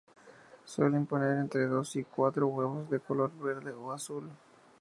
Suelen poner entre dos y cuatro huevos de color verde o azul.